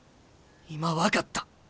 今分かった。